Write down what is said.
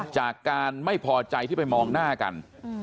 จากการไม่พอใจที่ไปมองหน้ากัน